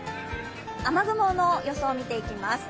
雨雲の予想を見ていきます。